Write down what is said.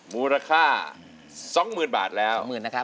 มูลค่า๑๒๐๐๐๐บาทแล้ว